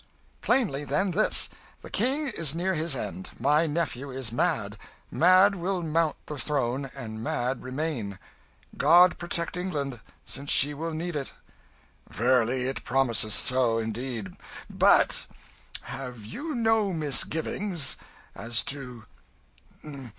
"Plainly, then, this. The King is near his end; my nephew is mad mad will mount the throne, and mad remain. God protect England, since she will need it!" "Verily it promiseth so, indeed. But ... have you no misgivings as to